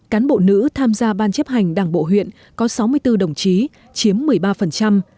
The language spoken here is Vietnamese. cán bộ nữ tham gia ban chấp hành đảng bộ huyện có sáu mươi bốn đồng chí chiếm một mươi ba